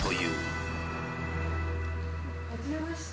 はじめまして。